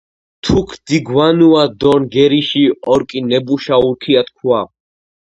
თუქ დიგვანუა დო ნგერიში ორკინებუშა ურქია – თქუა."